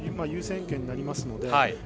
優先権になりますので。